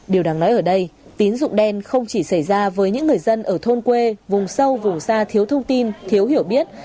điều đáng nói ở đây tín dụng đen không chỉ xảy ra với những người dân ở thôn quê vùng sâu vùng xa thiếu thông tin thiếu hiểu biết